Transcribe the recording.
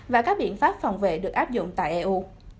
và các biện pháp phòng vệ được áp dụng tại eu